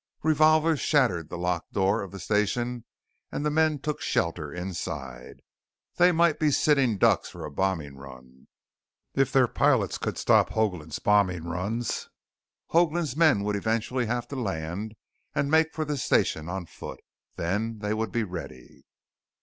Revolvers shattered the locked door of the station and the men took shelter inside. They might be sitting ducks for a bombing run. If their pilots could stop Hoagland's bombing runs, Hoagland's men would eventually have to land and make for the station on foot. Then they would be ready!